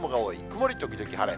曇り時々晴れ。